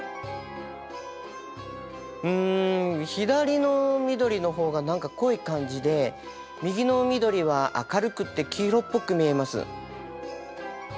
うん左の緑の方が何か濃い感じで右の緑は明るくて黄色っぽく見えます。